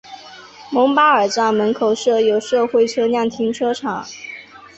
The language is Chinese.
蒙巴尔站门口设有社会车辆停车场。